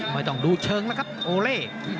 ไม่ต้องดูเชิงแล้วครับโอเล่